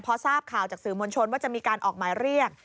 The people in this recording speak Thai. พอทราบข่าวจากสื่อมวลชนว่าจะมีการออกหมายเรียก